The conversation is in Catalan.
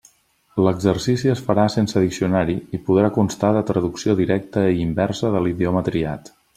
L'exercici es farà sense diccionari i podrà constar de traducció directa i inversa de l'idioma triat.